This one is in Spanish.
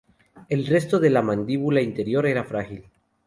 El resto de la mandíbula inferior era frágil.